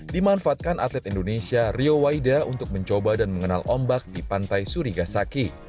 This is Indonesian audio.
dimanfaatkan atlet indonesia rio waida untuk mencoba dan mengenal ombak di pantai surigasaki